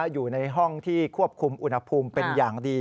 อยู่ในห้องที่ควบคุมอุณหภูมิเป็นอย่างดี